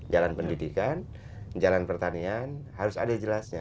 jalan pendidikan jalan pertanian harus ada jelasnya